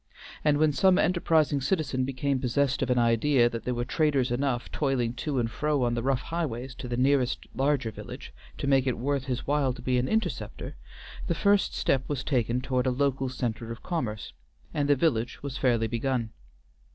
And when some enterprising citizen became possessed of an idea that there were traders enough toiling to and fro on the rough highways to the nearest larger village to make it worth his while to be an interceptor, the first step was taken toward a local centre of commerce, and the village was fairly begun.